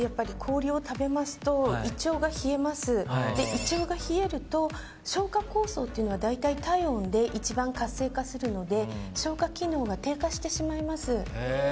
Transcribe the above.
胃腸が冷えると消化酵素ってのはだいたい体温で一番活性化するので消化機能が低下してしまいます。